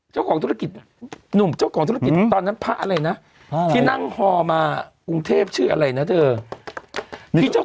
เจ้าของธุรกิจน่ะหนุ่มเจ้าของธุรกิจตอนนั้นพระอะไรนะที่นั่งฮอมากรุงเทพชื่ออะไรนะเธอ